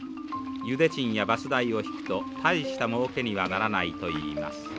ゆで賃やバス代を引くと大したもうけにはならないと言います。